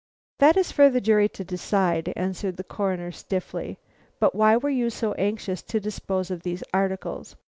"That is for the jury to decide," answered the Coroner, stiffly. "But why were you so anxious to dispose of these articles?